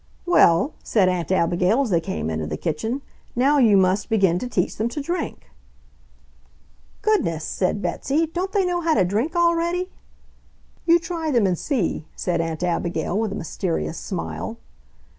"Well," said Aunt Abigail, as they came into the kitchen, "now you must begin to teach them to drink." "Goodness!" said Betsy, "don't they know how to drink already?" "You try them and see," said Aunt Abigail with a mysterious smile.